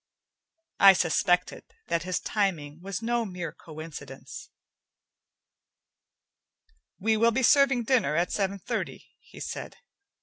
I suspected that his timing was no mere coincidence. "We will be serving dinner at seven thirty," he said.